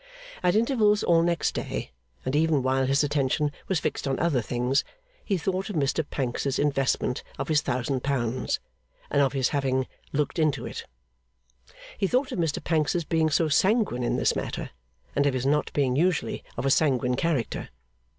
At intervals all next day, and even while his attention was fixed on other things, he thought of Mr Pancks's investment of his thousand pounds, and of his having 'looked into it.' He thought of Mr Pancks's being so sanguine in this matter, and of his not being usually of a sanguine character.